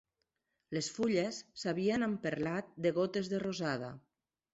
Les fulles s'havien emperlat de gotes de rosada.